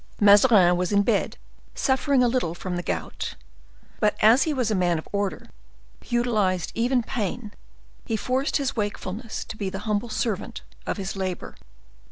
Mazarin was in bed, suffering a little from the gout. But as he was a man of order, who utilized even pain, he forced his wakefulness to be the humble servant of his labor.